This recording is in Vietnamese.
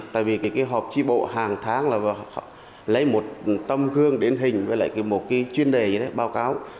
tại vì hộp tri bộ hàng tháng lấy một tấm gương đến hình với lại một chuyên đề báo cáo